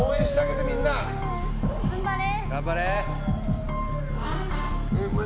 頑張れ！